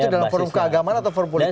itu dalam forum keagamaan atau forum politik